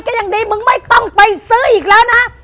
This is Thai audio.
ก็ยังดีมึงไม่ต้องไปซื้ออีกแล้วนะ